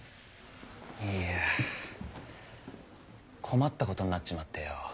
いやぁ困ったことになっちまってよ。